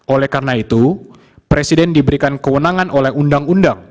oleh karena itu presiden diberikan kewenangan oleh undang undang